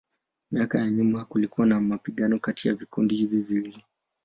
Miaka ya nyuma kulikuwa na mapigano kati ya vikundi hivi viwili.